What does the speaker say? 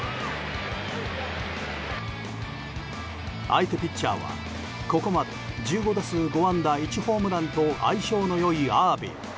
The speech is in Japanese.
相手ピッチャーはここまで１５打数５安打１ホームランと相性の良いアービン。